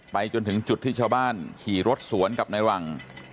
จนถึงจุดที่ชาวบ้านขี่รถสวนกับในหลัง